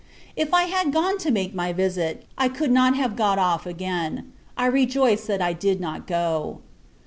If I had gone to make my visit, I could not have got off again. I rejoice that I did not go.